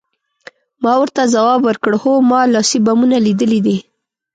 ما ورته ځواب ورکړ، هو، ما لاسي بمونه لیدلي دي.